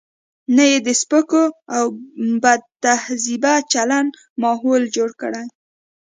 نه یې د سپکو او بدتهذیبه چلن ماحول جوړ کړي.